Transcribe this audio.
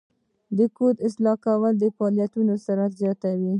د کوډ اصلاح کول د فعالیت سرعت زیاتوي.